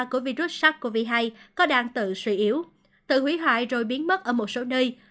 của virus sars cov hai có đang tự suy yếu tự hủy hoại rồi biến mất ở một số nơi